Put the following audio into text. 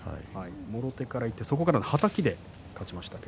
もろ手からいってそこからのはたきで勝ちました。